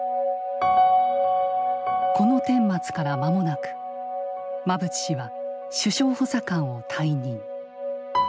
このてんまつから間もなく馬淵氏は首相補佐官を退任。